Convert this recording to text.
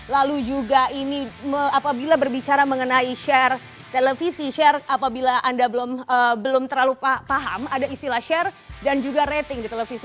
lalu juga ini apabila berbicara mengenai share televisi share apabila anda belum terlalu paham ada istilah share dan juga rating di televisi